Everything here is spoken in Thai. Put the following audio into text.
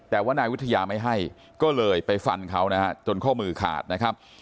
แต่ว่านายวิทยาไม่ให้ก็เลยไปฟันเขานะฮะจนข้อมือขาดนะครับ